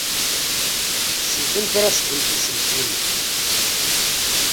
Ssnent amek ad ṣeggment iselkimen.